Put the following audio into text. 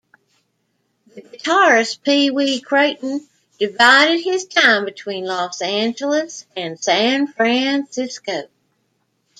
The guitarist Pee Wee Crayton divided his time between Los Angeles and San Francisco.